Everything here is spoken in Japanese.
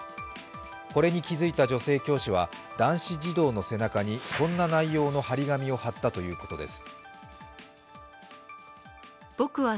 これに気付いた女性教師は男子児童の背中にこんな内容の貼り紙を貼ったということです。